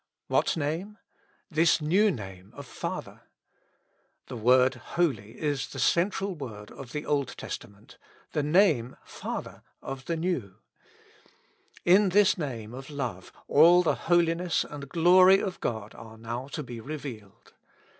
'^ What name? This new name of Father. The word Holy is the central word of the Old Testament ; the name Father of the New. In this name of Love all the holiness and 34 With Christ in the School of Prayer. glory of God are now to be revealed.